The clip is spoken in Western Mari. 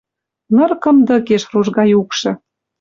Ныр кымдыкеш ружга юкшы